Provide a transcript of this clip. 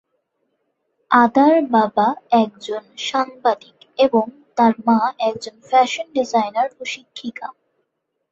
আদার বাবা একজন সাংবাদিক এবং তার মা একজন ফ্যাশন ডিজাইনার ও শিক্ষিকা।